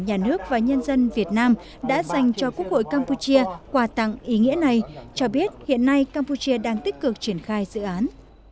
nhà nước và nhân dân việt nam đã dành cho quốc hội campuchia quà tặng ý nghĩa này cho biết hiện nay campuchia đang tích cực triển khai dự án